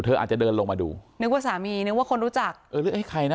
อาจจะเดินลงมาดูนึกว่าสามีนึกว่าคนรู้จักเออหรือเอ้ยใครนะ